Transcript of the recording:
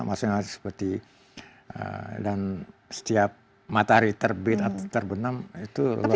maksudnya seperti dan setiap matahari terbit atau terbenam itu luar biasa